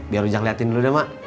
biar lo jangan liatin dulu deh emak